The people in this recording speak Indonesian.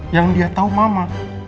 yang dia tau mama